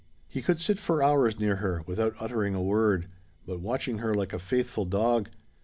He could sit for hours near her, without uttering a word—but watching her like a faithful dog.